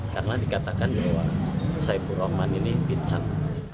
karena dikatakan bahwa saiful rahman ini bintang